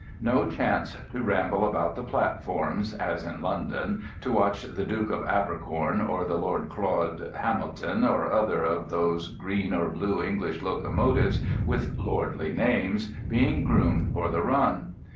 No chance to ramble about the platforms (as in London) to watch the Duke of Abercorn or the Lord Claude Hamilton, or other of those green or blue English locomotives with lordly names, being groomed for the run.